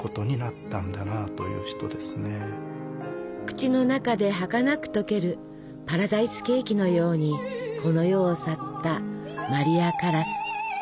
口の中ではかなく溶けるパラダイスケーキのようにこの世を去ったマリア・カラス。